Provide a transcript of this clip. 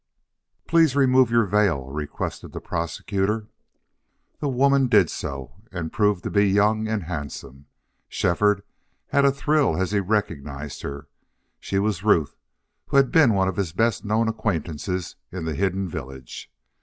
"Please remove your veil," requested the prosecutor. The woman did so, and proved to be young and handsome. Shefford had a thrill as he recognized her. She was Ruth, who had been one of his best known acquaintances in the hidden village.